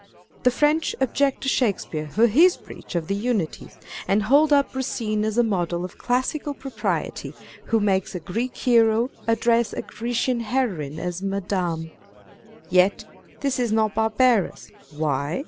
The French object to Shakespeare for his breach of the Unities, and hold up Racine as a model of classical propriety, who makes a Greek hero address a Grecian heroine as Madame, Yet this is not barbarous â€" Why